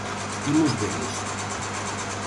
Imos velos.